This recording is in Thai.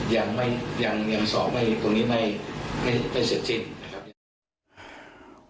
ยังไม่ยังยังสอบไม่ตรงนี้ไม่ไม่ไม่เสร็จสิ้นนะครับ